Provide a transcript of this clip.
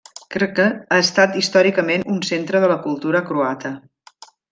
Krk ha estat històricament un centre de la cultura croata.